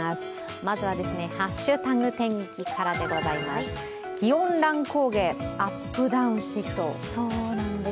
まずは「＃ハッシュタグ天気」からです。